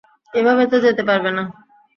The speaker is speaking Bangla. এভাবে তো যেতে পারবে না।